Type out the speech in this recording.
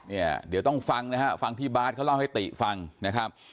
เนี่ยเดี๋ยวต้องฟังนะฮะฟังที่บาทเขาเล่าให้ติฟังนะครับ